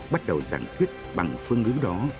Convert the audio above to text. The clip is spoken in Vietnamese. bắt đầu giảng thuyết bằng phương ngữ đó